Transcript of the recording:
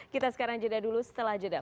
kita sekarang jeda dulu setelah jeda